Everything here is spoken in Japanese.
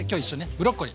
ブロッコリー。